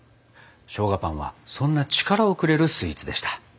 しょうがパンはそんな力をくれるスイーツでした。